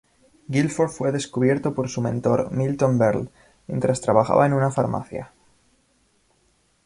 Gilford fue descubierto por su mentor, Milton Berle, mientras trabajaba en una farmacia.